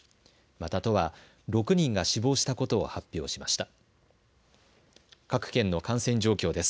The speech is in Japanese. また都は６人が死亡したことを発表しました。